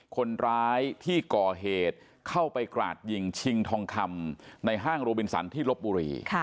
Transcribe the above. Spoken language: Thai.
คนร้ายที่ก่อเหตุเข้าไปกราดยิงชิงทองคำในห้างโรบินสันที่ลบบุรี